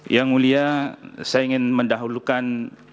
yang mulia saya ingin mendahulukan